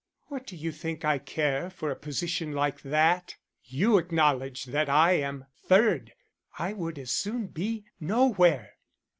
"What do you think I care for a position like that? You acknowledge that I am third I would as soon be nowhere."